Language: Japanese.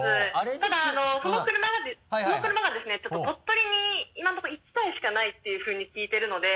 ただその車がですねちょっと鳥取に今のところ１台しかないっていうふうに聞いてるので。